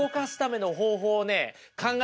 考え